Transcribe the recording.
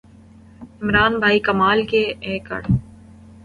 عمران بھائی کمال کے ایکڑ